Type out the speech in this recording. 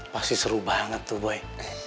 pasti seru banget tuh buy